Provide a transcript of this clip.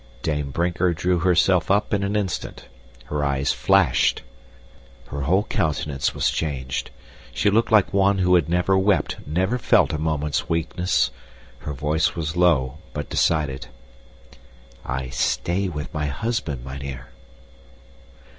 Dame Brinker drew herself up in an instant. Her eyes flashed. Her whole countenance was changed. She looked like one who had never wept, never felt a moment's weakness. Her voice was low but decided. "I stay with my husband, mynheer."